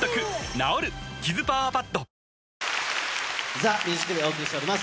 ＴＨＥＭＵＳＩＣＤＡＹ、お送りしております。